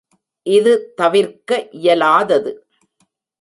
இது தவிர்க்க இயலாதது.